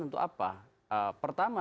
untuk apa pertama